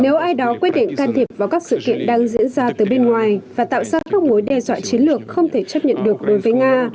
nếu ai đó quyết định can thiệp vào các sự kiện đang diễn ra từ bên ngoài và tạo ra các mối đe dọa chiến lược không thể chấp nhận được đối với nga